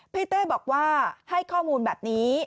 เต้บอกว่าให้ข้อมูลแบบนี้